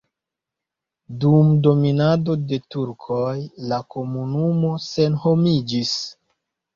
Dum dominado de turkoj la komunumo senhomiĝis.